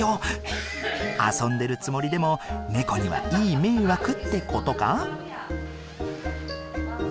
遊んでるつもりでもネコにはいい迷惑ってことか？